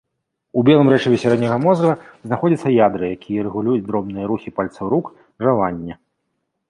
У белым рэчыве сярэдняга мозга знаходзяцца ядры, якія рэгулююць дробныя рухі пальцаў рук, жаванне.